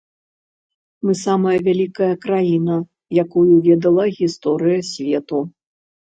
Мы самая вялікая краіна, якую ведала гісторыя свету.